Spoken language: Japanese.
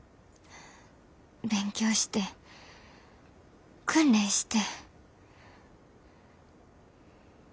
勉強して訓練して。